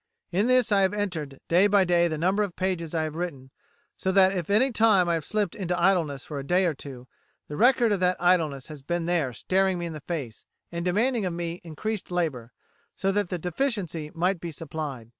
In this I have entered day by day the number of pages I have written, so that if at any time I have slipped into idleness for a day or two, the record of that idleness has been there staring me in the face, and demanding of me increased labour, so that the deficiency might be supplied.